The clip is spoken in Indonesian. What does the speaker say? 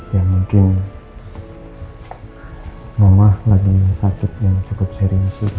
ya mungkin mama lagi sakit yang cukup serius